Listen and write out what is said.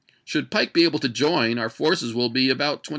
Should Pike be able to join, our forces will be about 26,000.